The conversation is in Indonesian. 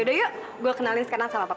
udah yuk gue kenalin sekarang sama papa